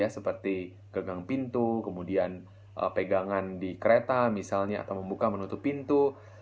seperti gegang pintu kemudian pegangan di kereta misalnya atau membuka menutup pintu